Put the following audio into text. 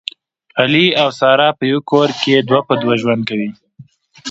علي او ساره په یوه کور کې دوه په دوه ژوند کوي